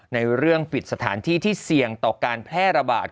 ในเรื่องปิดสถานที่ที่เสี่ยงต่อการแพร่ระบาด